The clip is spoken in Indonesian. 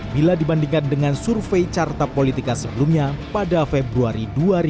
bila dibandingkan dengan survei carta politika sebelumnya pada februari dua ribu dua puluh